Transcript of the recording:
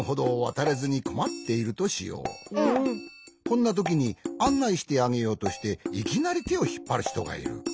こんなときにあんないしてあげようとしていきなりてをひっぱるひとがいる。